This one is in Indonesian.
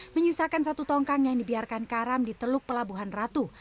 menyisakan satu tongkang yang dibiarkan karam di teluk pelabuhan ratu